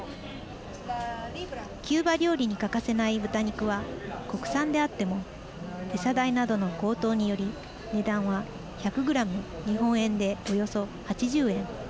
キューバ料理に欠かせない豚肉は国産であっても餌代などの高騰により値段は１００グラム日本円でおよそ８０円。